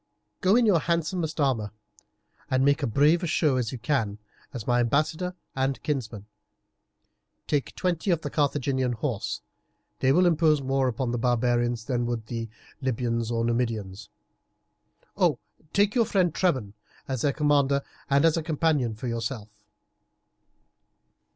Go in your handsomest armour, and make as brave a show as you can, as my ambassador and kinsman. Take twenty of the Carthaginian horse; they will impose more upon the barbarians than would the Libyans or Numidians. Take your friend Trebon as their commander and a companion for yourself."